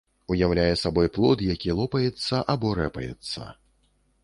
Уяўляе сабой плод, які лопаецца або рэпаецца.